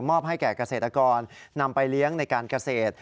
ให้แก่เกษตรกรนำไปเลี้ยงในการเกษตร